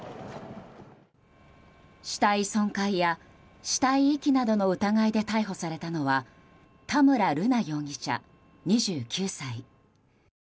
死体損壊や死体遺棄などの疑いで逮捕されたのは田村瑠奈容疑者、２９歳。